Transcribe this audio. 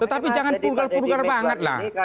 tetapi jangan pulgar pulgar banget lah